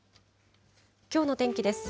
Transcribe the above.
きょうの天気です。